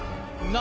何？